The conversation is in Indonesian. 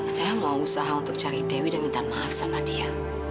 saya mau usaha untuk cari dewi dan minta maaf sama dia